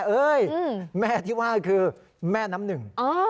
เอ้ยแม่ที่ว่าคือแม่น้ำหนึ่ง